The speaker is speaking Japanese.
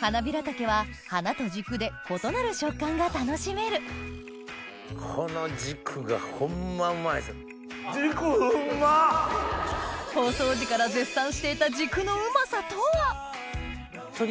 ハナビラタケは花と軸で異なる食感が楽しめる放送時から絶賛していた軸のうまさとは？